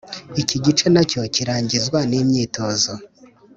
Iki gice na cyo kirangizwa n’imyitozo.